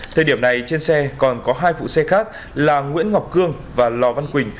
thời điểm này trên xe còn có hai phụ xe khác là nguyễn ngọc cương và lò văn quỳnh